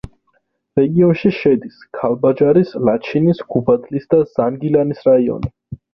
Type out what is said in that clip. რეგიონში შედის: ქალბაჯარის, ლაჩინის, გუბადლის და ზანგილანის რაიონი.